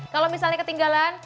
kalau misalnya ketinggalan